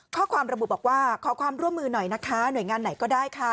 ข้อความระบุบอกว่าขอความร่วมมือหน่อยนะคะหน่วยงานไหนก็ได้ค่ะ